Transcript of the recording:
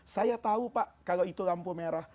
saya tahu pak kalau itu lampu merah